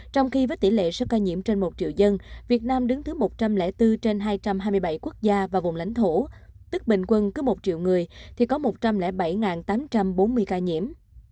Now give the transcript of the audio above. trong khi với tỷ lệ số ca nhiễm trên một triệu dân việt nam đứng thứ một trăm linh bốn trên hai trăm hai mươi bảy quốc gia và vùng lãnh thổ tức bình quân cứ một triệu người thì có một trăm linh bảy tám trăm bốn mươi ca nhiễm